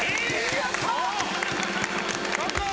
やったー！